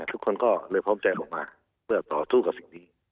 ทุกคนก็เลยพร้อมใจลงมาเพื่อต่อสู้กับสิ่งนี้